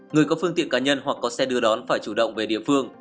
người có phương tiện cá nhân hoặc có xe đưa đón phải chủ động về địa phương